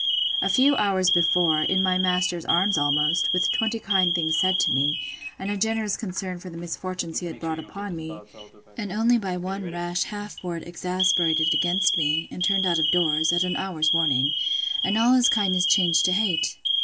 A few hours before, in my master's arms almost, with twenty kind things said to me, and a generous concern for the misfortunes he had brought upon me; and only by one rash half word exasperated against me, and turned out of doors, at an hour's warning; and all his kindness changed to hate!